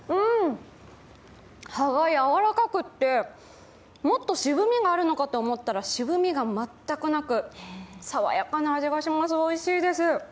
葉がやわらかくてもっと渋みがあるのかと思ったら渋みも全くなく、爽やかな味がします、おいしいです。